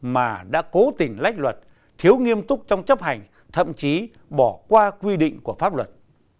mà đã cố tình lách luật thiếu nghiêm túc trong chấp hành thậm chí bỏ qua quy định của pháp luật